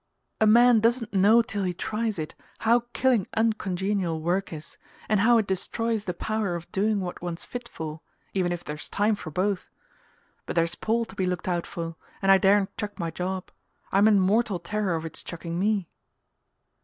"A man doesn't know till he tries it how killing uncongenial work is, and how it destroys the power of doing what one's fit for, even if there's time for both. But there's Paul to be looked out for, and I daren't chuck my job I'm in mortal terror of its chucking me..."